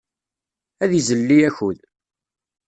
Ad izelli akud.